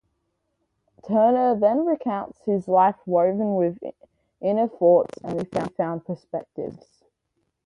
Turner then recounts his life woven with inner thoughts and newfound perspectives.